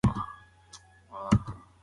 موږ به تر هغه وخته رسېدلي یو.